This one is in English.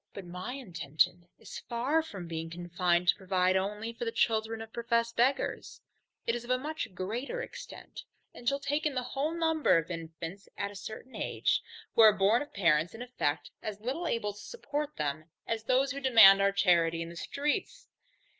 But my intention is very far from being confined to provide only for the children of professed beggars: it is of a much greater extent, and shall take in the whole number of infants at a certain age, who are born of parents in effect as little able to support them, as those who demand our charity in the streets.